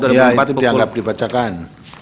ya itu dianggap dibacakan